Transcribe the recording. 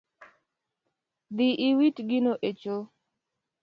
Dhi iwit gino e cho